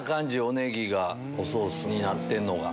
おネギがソースになってるのが。